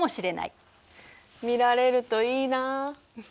見られるといいなあ。